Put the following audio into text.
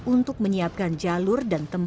untuk menyiapkan jalur dan tempat untuk mencari gempa